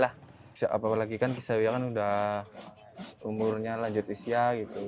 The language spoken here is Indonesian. apalagi kisawiyah sudah umurnya lanjut isya